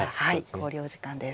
考慮時間です。